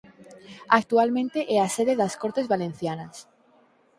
Actualmente é a sede das Cortes Valencianas.